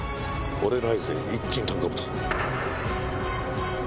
俺の合図で一気に飛び込むぞ。